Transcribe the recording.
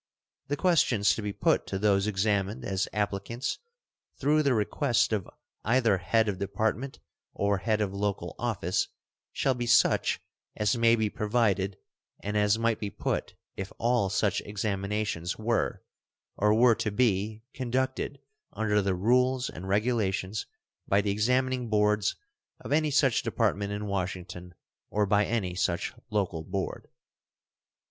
The questions to be put to those examined as applicants through the request of either head of Department or head of local office shall be such as may be provided and as might be put if all such examinations were, or were to be, conducted under the rules and regulations by the examining boards of any such Department in Washington or by any such local board.